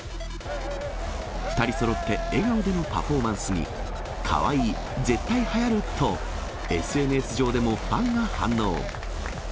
２人そろって、笑顔でのパフォーマンスに、かわいい、絶対はやると、ＳＮＳ上でもファンが反応。